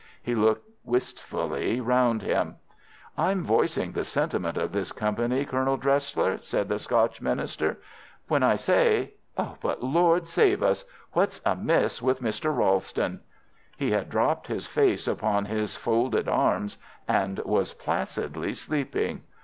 He looked wistfully round him. "I'm voicing the sentiments of this company, Colonel Dresler," said the Scotch minister, "when I say——but, Lord save us! what's amiss with Mr. Ralston?" He had dropped his face upon his folded arms and was placidly sleeping.